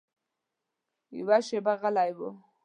یوه شېبه غلی و.